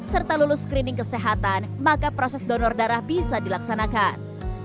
serta lulus screening kesehatan maka proses donor darah bisa dilaksanakan